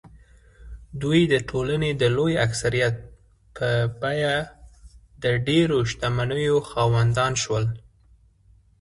دوی د ټولنې د لوی اکثریت په بیه د ډېرو شتمنیو خاوندان شول.